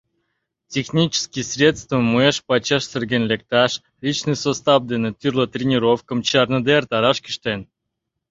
Технический средствым уэш-пачаш терген лекташ, личный состав дене тӱрлӧ тренировкым чарныде эртараш кӱштен.